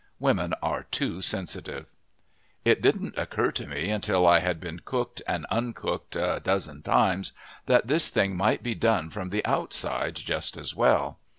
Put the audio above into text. Women are too sensitive. It didn't occur to me, until I had been cooked and uncooked a dozen times that this thing might be done from the outside just as well.